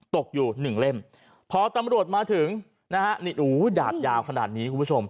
ตกอยู่หนึ่งเล่มพอตำรวจมาถึงนะฮะนี่อู๋ดาบยาวขนาดนี้คุณผู้ชม